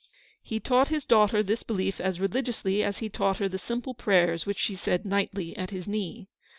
He taught his daughter this belief as religiously as he taught her the simple prayers which she said nightly at his knee.